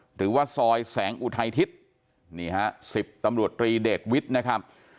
หรือว่าซอยแสงอุทัยทิศนี่ฮะ๑๐ตำรวจรีเดทวิทเลทเทนสันนะครับ